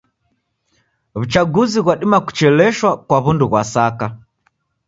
W'uchaguzi ghwadima kucheleshwa kwa w'undu ghwa saka.